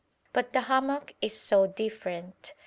But the hammock is so different.